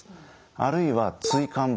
あるいは椎間板。